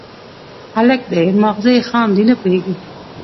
_هلک دی، ماغزه يې خام دي، نه پوهېږي.